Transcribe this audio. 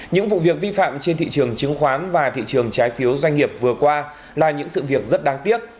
những vụ việc vi phạm trên thị trường chứng khoán và thị trường trái phiếu doanh nghiệp vừa qua là những sự việc rất đáng tiếc